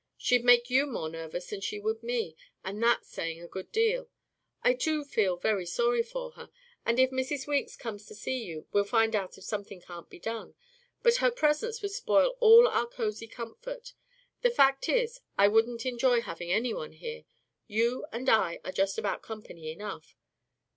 She'd make you more nervous than she would me, and that's saying a good deal. I do feel very sorry for her, and if Mrs. Weeks comes to see you, we'll find out if something can't be done, but her presence would spoil all our cozy comfort. The fact is, I wouldn't enjoy having anyone here. You and I are just about company enough.